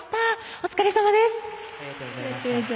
お疲れさまです。